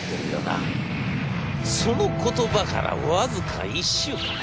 その言葉から僅か１週間。